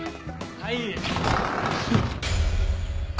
はい？